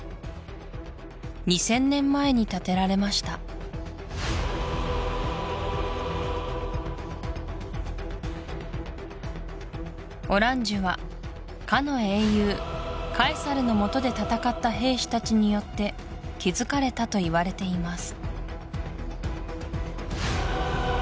２０００年前に建てられましたオランジュはかの英雄カエサルのもとで戦った兵士たちによって築かれたといわれています